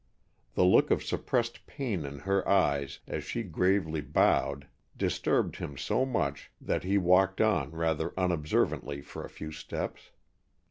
The look of suppressed pain in her eyes as she gravely bowed disturbed him so much that he walked on rather unobservantly for a few steps.